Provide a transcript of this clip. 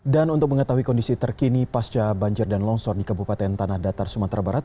dan untuk mengetahui kondisi terkini pasca banjir dan longsor di kebupaten tanah datar sumatera barat